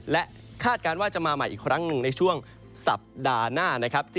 และคาดการณ์ว่าจะมาใหม่อีกครั้งหนึ่งในช่วงสัปดาห์หน้านะครับ